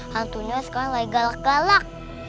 hantunya sekarang lagi galak galak